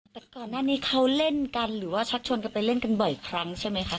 แต่ก่อนหน้านี้เขาเล่นกันหรือว่าชักชวนกันไปเล่นกันบ่อยครั้งใช่ไหมคะ